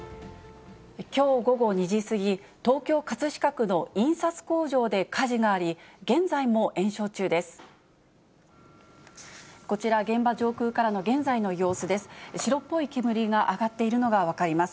きょう午後２時過ぎ、東京・葛飾区の印刷工場で火事があり、現在も延焼中です。